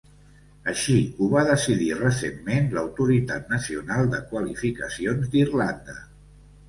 Així ho va decidir recentment l'Autoritat Nacional de Qualificacions d'Irlanda.